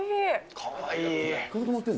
かわいい。